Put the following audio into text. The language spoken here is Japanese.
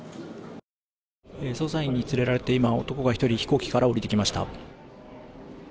捜査員に連れられて男が１人飛行機から降りてきました。